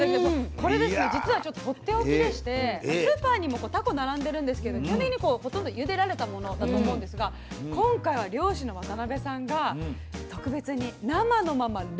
これですね実はとっておきでしてスーパーにもタコ並んでるんですけどほとんどゆでられたものだと思うんですが今回は漁師の渡辺さんが特別に生のまま冷凍して送ってくれたということで。